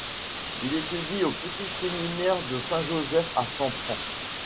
Il étudie au petit séminaire de Saint Joseph à Sampran.